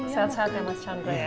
sehat sehat ya mas chandra ya